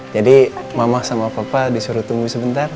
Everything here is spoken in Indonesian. jadi mama sama papa disuruh tunggu sebentar